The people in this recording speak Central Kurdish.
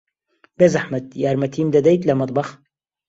بێزەحمەت، یارمەتیم دەدەیت لە مەتبەخ؟